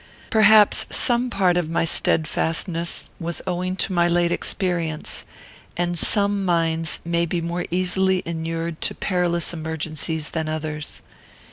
Perhaps some part of my steadfastness was owing to my late experience, and some minds may be more easily inured to perilous emergencies than others.